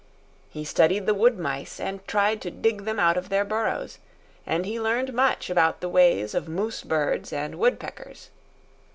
He studied the wood mice and tried to dig them out of their burrows; and he learned much about the ways of moose birds and woodpeckers.